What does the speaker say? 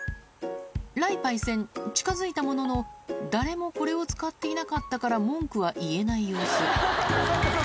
雷パイセン近づいたものの誰もこれを使っていなかったから文句は言えない様子